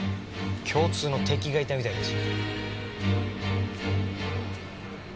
共通の敵がいたみたいだし。